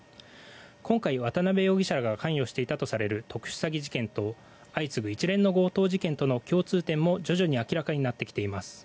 今回、渡邉容疑者が関与していたとされる特殊詐欺事件と相次ぐ一連の強盗事件との共通点も徐々に明らかになってきています。